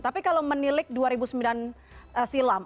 tapi kalau menilik dua ribu sembilan silam